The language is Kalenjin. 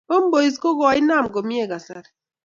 Homebozys ko koinam komie kasari